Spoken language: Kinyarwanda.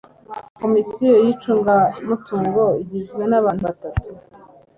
komisiyo y'icungamutungo igizwe n'abantu batatu